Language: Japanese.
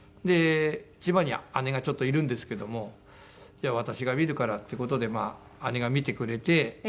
千葉に姉がいるんですけどもじゃあ私が見るからっていう事で姉が見てくれて。